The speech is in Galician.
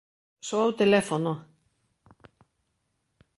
Soa o teléfono.